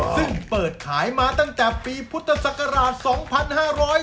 ซึ่งเปิดขายมาตั้งแต่ปีพุทธศักราช๒๕๕๙